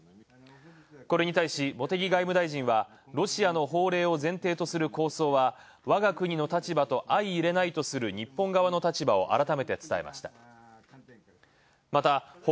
これに対し茂木外務大臣はロシアの法令を前提とする構想はわが国の立場と相いれないとすると日本側の立場を改めて伝えました。